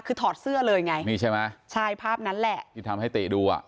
คือถอดเสื้อเลยไงใช่ภาพนั้นแหละใช่ภาพนั้นแหละที่ทำให้ติดู